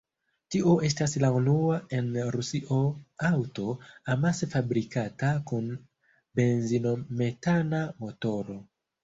Tio estas la unua en Rusio aŭto, amase fabrikata kun benzino-metana motoro.